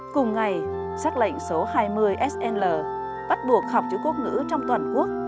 cùng ngày xác lệnh số hai mươi sl bắt buộc học chữ quốc ngữ trong toàn quốc